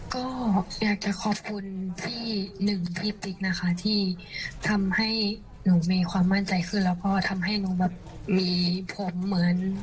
ก็อยากจะขอบคุณพี่หนึ่งพี่ติ๊กนะคะที่ทำให้หนูมีความมั่นใจขึ้นแล้วก็ทำให้หนูแบบมีผมเหมือน